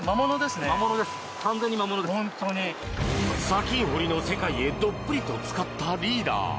砂金掘りの世界へどっぷりと浸かったリーダー。